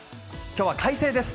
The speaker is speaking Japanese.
今日は快晴です。